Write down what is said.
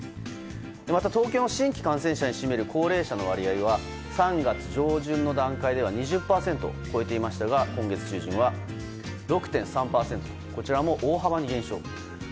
また東京の新規感染者に占める高齢者の割合は３月上旬の段階では２０％を超えていましたが今月中旬は６．３％とこちらも大幅に減少。